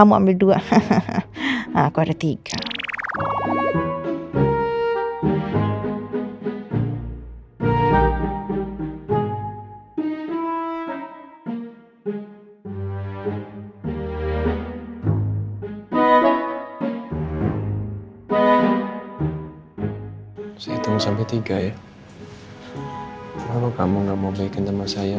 tapi aku masih belum bisa